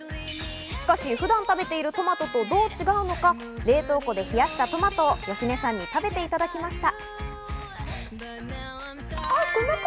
しかし普段食べているトマトとどう違うのか冷凍庫で冷やしたトマトを芳根さんに食べていただきました。